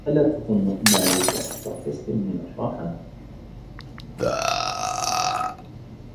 ألا تظنّ أنّ عليك أخذ قسطٍ من الراحة؟